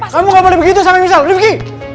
kamu gak boleh begitu sama michelle rifki